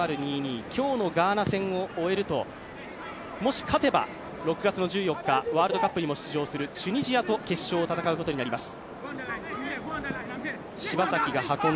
今日のガーナ戦を終えるともし勝てば、６月１４日、ワールドカップにも出場するチュニジアと決勝を戦うことになります。